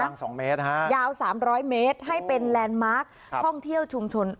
กว้าง๒เมตรฮะยาว๓๐๐เมตรให้เป็นแลนด์มาร์คท่องเที่ยวชุมชน